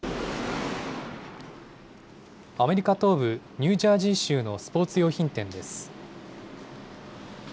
アメリカ東部ニュージャージー州のスポーツ用品店です。